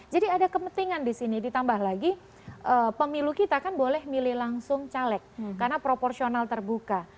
jadi ada kepentingan di sini ditambah lagi pemilu kita kan boleh milih langsung caleg karena proporsional terbuka